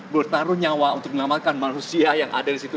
bertarung nyawa untuk melamatkan manusia yang ada di situ